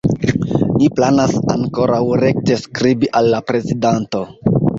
Ni planas ankoraŭ rekte skribi al la prezidanto.